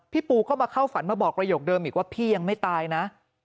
ปูก็มาเข้าฝันมาบอกประโยคเดิมอีกว่าพี่ยังไม่ตายนะ